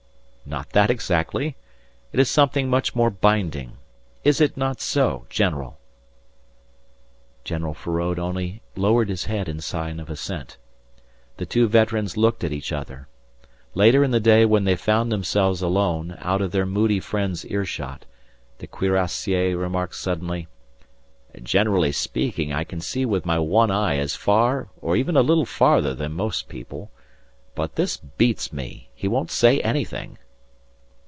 Not that exactly. It is something much more binding. Is it not so, general?" General Feraud only lowered his head in sign of assent. The two veterans looked at each other. Later in the day when they found themselves alone, out of their moody friend's earshot, the cuirassier remarked suddenly: "Generally speaking, I can see with my one eye as far or even a little farther than most people. But this beats me. He won't say anything."